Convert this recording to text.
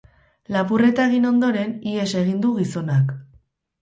Lapurreta egin ondoren, ihes egin du gizonak.